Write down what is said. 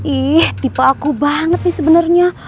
ih tipe aku banget nih sebenernya